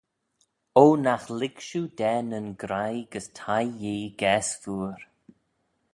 O, Nagh lhig shiu da nyn graih gys thie Yee gaase feayr.